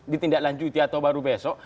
ditindaklanjuti atau baru besok